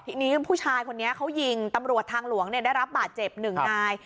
ทีนี้ผู้ชายคนนี้เขายิงตำรวจทางหลวงได้รับบาดเจ็บหนึ่งนาย